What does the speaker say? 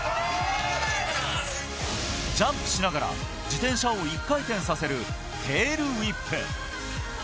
ジャンプしながら自転車を１回転させるテールウィップ。